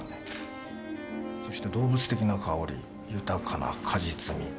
そして動物的な香り豊かな果実味。